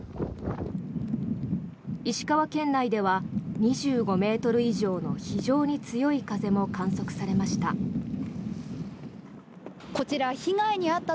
石川県内では２５ｍ以上の非常に強い風も観測されました。